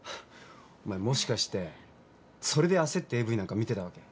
お前もしかしてそれで焦ってＡＶなんか見てたわけ？